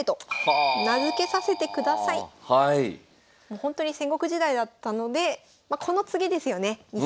もうほんとに戦国時代だったのでまこの次ですよね。